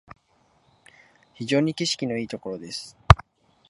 非常に景色のいいところです